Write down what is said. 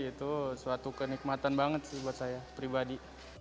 itu suatu kenikmatan banget sih buat saya pribadi